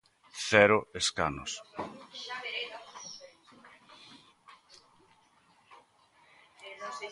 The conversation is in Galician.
Cero escanos.